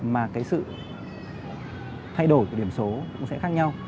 mà cái sự thay đổi của điểm số cũng sẽ khác nhau